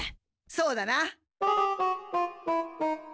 そうだな。